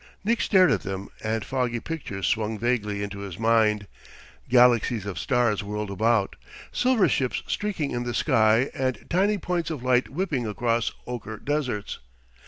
Nick stared at them and foggy pictures swung vaguely into his mind. Galaxies of stars whirled about, silver ships streaking in the sky and tiny points of light whipping across ochre deserts.